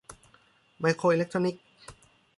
ไมโครอิเล็กทรอนิกส์